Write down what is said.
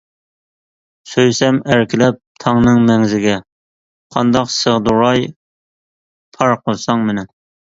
سۆيسەم ئەركىلەپ تاڭنىڭ مەڭزىگە، قانداق سىغدۇراي پار قىلساڭ مېنى.